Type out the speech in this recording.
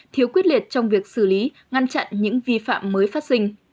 thiếu quyết liệt trong việc xử lý ngăn chặn những vi phạm mới phát sinh